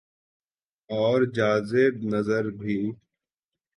اورجاذب نظربھی۔